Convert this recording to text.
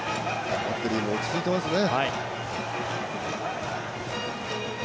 バッテリーも落ち着いていますね。